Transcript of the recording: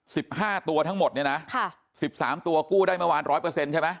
สิบห้าตัวทั้งหมดเนี่ยนะค่ะสิบสามตัวกู้ได้เมื่อวานร้อยเปอร์เซ็นต์ใช่ไหม